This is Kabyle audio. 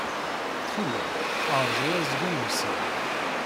Ttxil-m, ṛju azgen n wesrag.